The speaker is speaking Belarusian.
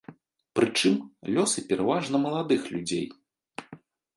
Прычым, лёсы пераважна маладых людзей.